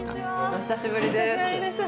お久しぶりです。